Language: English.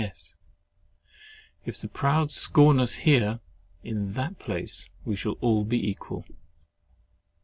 S. If the proud scorn us here, in that place we shall all be equal.